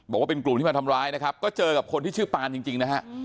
บอกว่าเป็นกลุ่มที่มาทำร้ายนะครับก็เจอกับคนที่ชื่อปานจริงนะฮะ